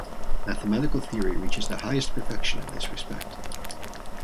Mathematical theory reaches the highest perfection in this respect.